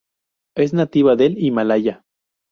Es nativa del Himalaya.